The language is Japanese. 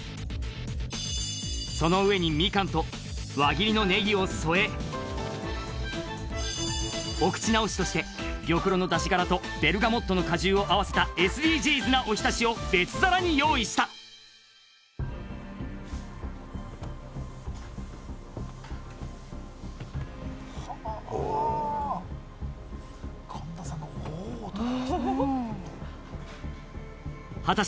その上にみかんと輪切りのネギを添えお口直しとして玉露の出し殻とベルガモットの果汁を合わせたＳＤＧｓなおひたしを別皿に用意したはあー神田さんが「おー！」と言いましたね